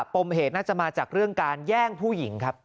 ปมเหตุน่าจะมาจากเรื่องการแย่งผู้หญิงครับ